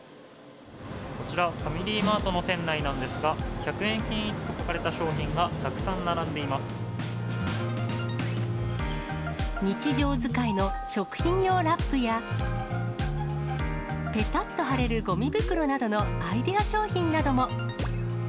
こちら、ファミリーマートの店内なんですが、１００円均一と書かれた商品日常使いの食品用ラップや、ぺたっと貼れるごみ袋などのアイデア商品なども。